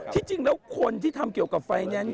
จริงแล้วคนที่ทำเกี่ยวกับไฟแนนซ์